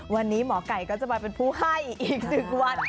วันนี้หมอไก่ก็จะมาเป็นผู้ให้อีก๑วัน